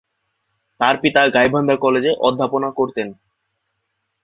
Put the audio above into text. তার পিতা গাইবান্ধা কলেজে অধ্যাপনা করতেন।